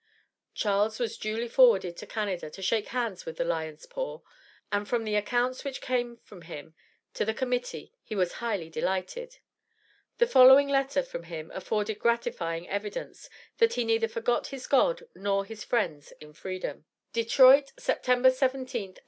Charles was duly forwarded to Canada to shake hands with the Lion's paw, and from the accounts which came from him to the Committee, he was highly delighted. The following letter from him afforded gratifying evidence, that he neither forgot his God nor his friends in freedom: DETROIT, Sept. 17, 1862.